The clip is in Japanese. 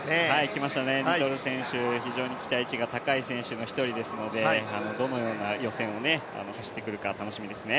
きましたね、リトル選手、非常に期待値が高い選手ですのでどのような予選を走ってくるのか楽しみですね。